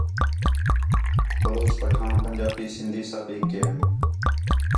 بلوچ، پٹھاݨ، پنجابی، سندھی سب ہِک ہین